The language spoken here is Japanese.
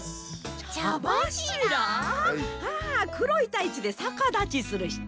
あくろいタイツでさかだちするひと？